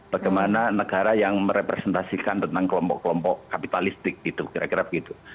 bagaimana negara yang merepresentasikan tentang kelompok kelompok kapitalistik gitu kira kira begitu